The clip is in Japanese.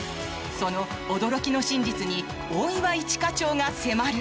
その驚きの真実に大岩一課長が迫る。